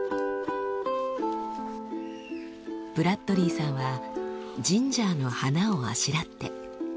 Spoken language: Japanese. ブラッドリーさんはジンジャーの花をあしらって。